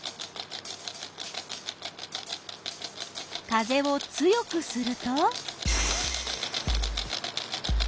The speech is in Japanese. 風を強くすると？